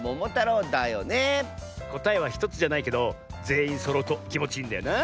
こたえは１つじゃないけどぜんいんそろうときもちいいんだよな。